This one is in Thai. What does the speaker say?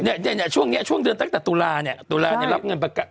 เนี่ยเนี่ยเนี่ยช่วงเนี่ยช่วงเดือนตั้งแต่ตุลาเนี่ยตุลาเนี่ยรับเงินประกัน